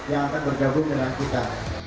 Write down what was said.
yang akan bergabung dengan kita